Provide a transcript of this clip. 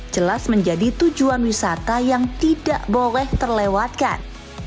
jelas menjadi tujuan wisata yang tidak boleh terlewatkan